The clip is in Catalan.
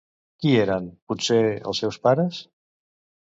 Qui eren, potser, els seus pares?